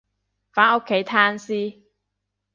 返屋企攤屍